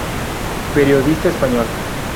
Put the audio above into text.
Periodista español.